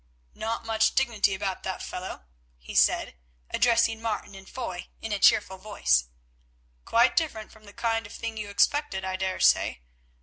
"Not much dignity about that fellow," he said, addressing Martin and Foy in a cheerful voice; "quite different from the kind of thing you expected, I daresay.